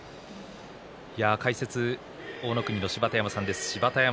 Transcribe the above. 解説は大乃国の芝田山さんです。